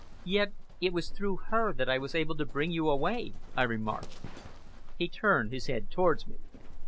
"Yet it was through her that I was able to bring you away," I remarked. He turned his head towards me.